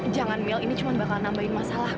jangan mell ini cuma bakal nambahin masalah